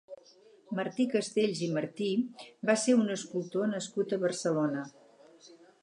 Martí Castells i Martí va ser un escultor nascut a Barcelona.